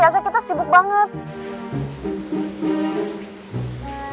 asal kita sibuk banget